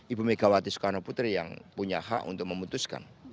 ibu megawati soekarno putri yang punya hak untuk memutuskan